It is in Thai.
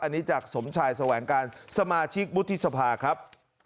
อันนี้จากสมชายแสวงการสมาชิกวุฒิสภาครับ